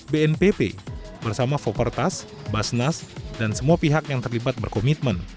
bnpp bersama fopertas basnas dan semua pihak yang terlibat berkomitmen